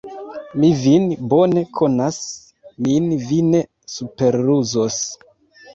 Mi vin bone konas, min vi ne superruzos!